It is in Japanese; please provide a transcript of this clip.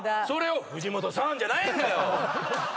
それを「藤本さん」じゃないんだよ！